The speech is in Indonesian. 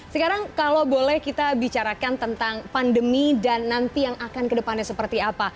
sekarang kalau boleh kita bicarakan tentang pandemi dan nanti yang akan kedepannya seperti apa